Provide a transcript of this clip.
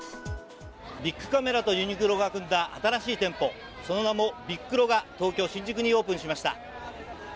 ビックカメラとユニクロが組んだ新しい店舗その名もビックロが東京・新宿にオープンしました。